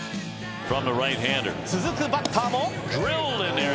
続くバッターも。